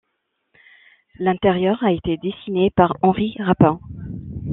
L'intérieur a été dessiné par Henri Rapin.